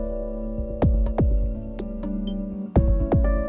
nih andi sama pak bos ada masalah apa lagi ya